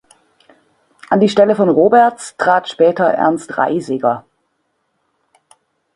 An die Stelle von Roberts trat später Ernst Reijseger.